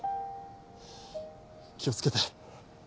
気をつけて。